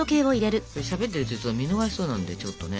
しゃべってると見逃しそうなんでちょっとね。